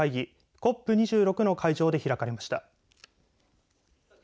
ＣＯＰ２６の会場で開かれました。